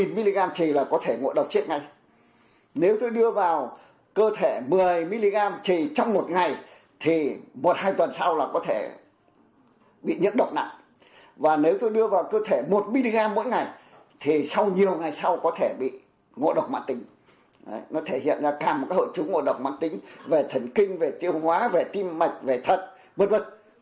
nó thể hiện ra càng một hội chứng ngộ độc mạng tính về thần kinh về tiêu hóa về tim mạch về thật v v